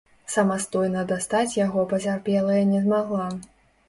Самастойна дастаць яго пацярпелая не змагла.